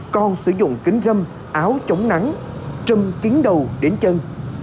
còn sử dụng kính râm áo chống nắng trâm chiến đầu đến chân